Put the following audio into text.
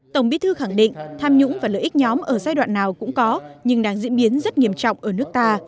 tổng bí thư khẳng định tham nhũng và lợi ích nhóm ở giai đoạn nào cũng có nhưng đang diễn biến rất nghiêm trọng ở nước ta